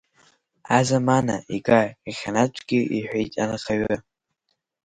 Азамана, ига иахьанатәгьы иҳәеит анхаҩы.